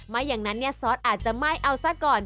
ไม่อย่างนั้นเนี่ยซอสอาจจะไหม้เอาซะก่อน